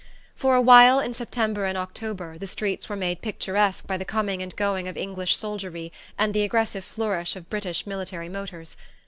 For a while, in September and October, the streets were made picturesque by the coming and going of English soldiery, and the aggressive flourish of British military motors.